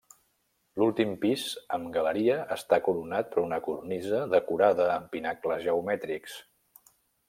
L'últim pis amb galeria està coronat per una cornisa decorada amb pinacles geomètrics.